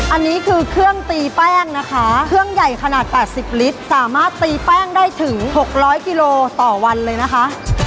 อันนี้คือเครื่องตีแป้งนะคะเครื่องใหญ่ขนาด๘๐ลิตรสามารถตีแป้งได้ถึง๖๐๐กิโลต่อวันเลยนะคะ